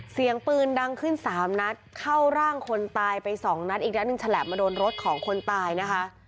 เสียงปืนดังขึ้นสามนัดเข้าร่างคนตายไปสองนัดอีกนัดหนึ่งฉลับมาโดนรถของคนตายนะคะ